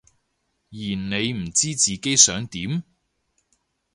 而你唔知自己想點？